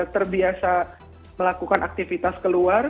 terbiasa melakukan aktivitas keluar